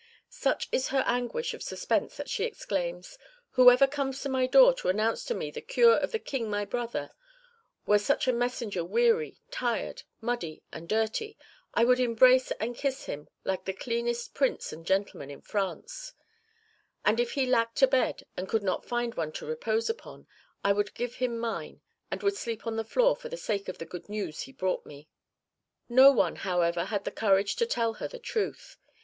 Such is her anguish of suspense that she exclaims, "Whoever comes to my door to announce to me the cure of the King my brother, were such a messenger weary, tired, muddy, and dirty, I would embrace and kiss him like the cleanest prince and gentleman in France; and if he lacked a bed and could not find one to repose upon, I would give him mine, and would sleep on the floor for the sake of the good news he brought me." (2) 1 Lettres de Marguerite, &c., p. 473. 2 OEuvres de Brantôme, 8vo, vol. v. p. 233. No one, however, had the courage to tell her the truth.